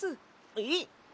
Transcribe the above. えっ？